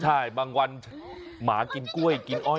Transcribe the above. ใช่บางวันหมากินกล้วยกินอ้อย